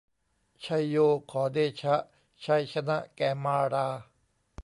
ไชโยขอเดชะ ชัยชนะแก่มารา